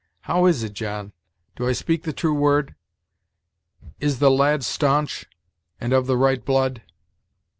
How is it, John? Do I speak the true word? Is the lad stanch, and of the right blood?"